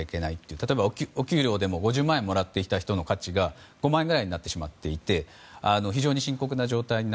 例えば、お給料でも５０万円もらってきた人の価値が５万円くらいになっていて非常に深刻な状況です。